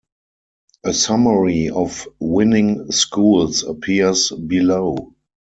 A summary of winning Schools appears below.